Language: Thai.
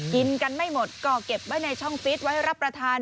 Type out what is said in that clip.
กินกันไม่หมดก็เก็บไว้ในช่องฟิตไว้รับประทาน